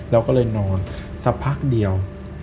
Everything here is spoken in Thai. เราก็เลยนอนสักพักเดียว